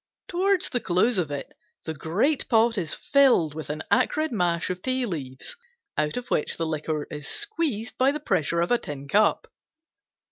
Toward the close of it the great pot is filled with an acrid mash of tea leaves, out of which the liquor is squeezed by the pressure of a tin cup.